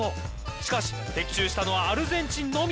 しかし的中したのはアルゼンチンのみ。